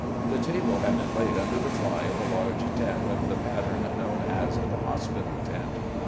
The table had been laid under the fly of a large tent of the pattern known as the " hospital tent."